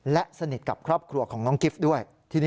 และสนิทกับครอบครัวของน้องกิฟต์ด้วย